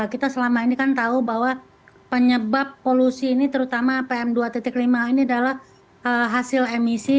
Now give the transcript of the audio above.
kita selama ini kan tahu bahwa penyebab polusi ini terutama pm dua lima ini adalah hasil emisi